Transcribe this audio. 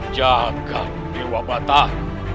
jaga dewa batak